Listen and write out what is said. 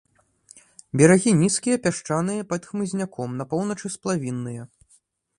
Берагі нізкія, пясчаныя, пад хмызняком, на поўначы сплавінныя.